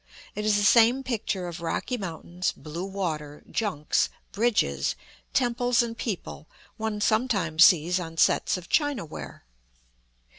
It is the same picture of rocky mountains, blue water, junks, bridges, temples, and people, one sometimes sees on sets of chinaware.